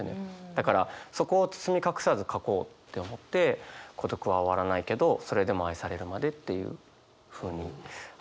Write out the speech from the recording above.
だからそこを包み隠さず書こうって思って孤独は終わらないけどそれでも愛されるまでっていうふうに書きました。